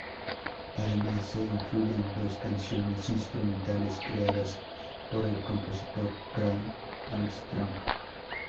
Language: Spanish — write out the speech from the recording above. Además, se incluyen dos canciones instrumentales creadas por el compositor Craig Armstrong.